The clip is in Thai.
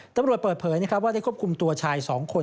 ตำรวจเปิดเผยว่าได้ควบคุมตัวชาย๒คน